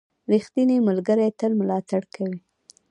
• ریښتینی ملګری تل ملاتړ کوي.